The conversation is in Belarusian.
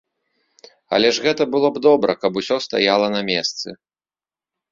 Але ж гэта было б добра, каб усё стаяла на месцы.